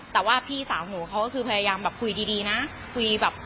แต่ว่าพี่สาวหนูเขาก็คือพยายามแบบคุยดีนะคุยแบบ